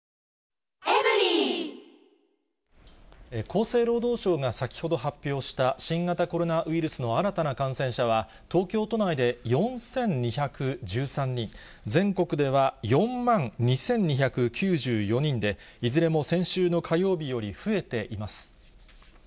厚生労働省が先ほど発表した、新型コロナウイルスの新たな感染者は、東京都内で４２１３人、全国では４万２２９４人で、いずれも先週の火曜日より増えています。